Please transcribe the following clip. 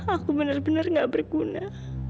aku benar benar gak berguna